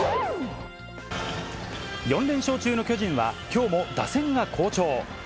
４連勝中の巨人は、きょうも打線が好調。